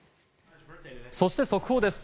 そして、速報です。